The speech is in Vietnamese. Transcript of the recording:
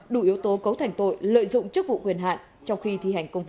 đủ yếu tố cấu thành tội lợi dụng chức vụ quyền hạn trong khi thi hành công vụ